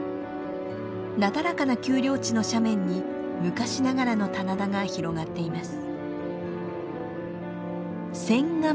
なだらかな丘陵地の斜面に昔ながらの棚田が広がっています。